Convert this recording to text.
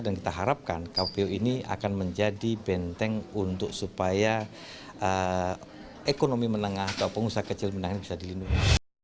dan kita harapkan kppu ini akan menjadi benteng untuk supaya ekonomi menengah atau pengusaha kecil menengah ini bisa dilindungi